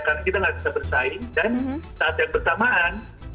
karena kita tidak bisa bersaing dan saat yang bersamaan